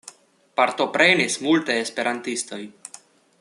Partoprenis multaj esperantistoj.